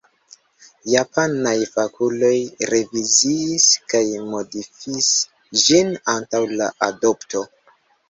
Japanaj fakuloj reviziis kaj modifis ĝin antaŭ la adopto.